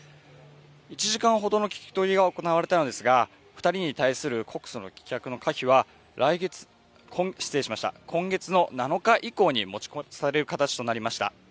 １時間ほどの聞き取りが行われたのですが２人に対する告訴の棄却の可否は今月７日以降に持ち越される形となりました。